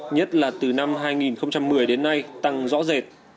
nhất là từ năm hai nghìn một mươi đến nay tăng rõ rệt